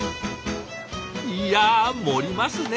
いや盛りますね！